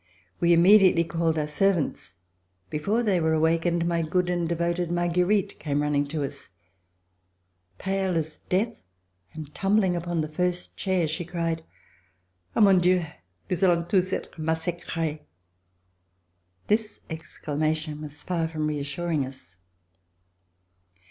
We immediately called our servants. Before they were awakened, my good and devoted Marguerite came running to us, pale as death, and tumbling upon the first chair, she cried: *'Ah! mon Dieu! nous allons tous etre massacres." This exclamation was far from reassuring us.